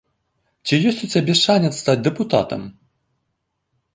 Ці ёсць у цябе шанец стаць дэпутатам?